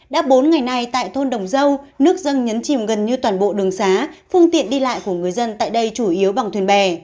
đã bốn ngày nay tại thôn đồng dâu nước dâng nhấn chìm gần như toàn bộ đường xá phương tiện đi lại của người dân tại đây chủ yếu bằng thuyền bè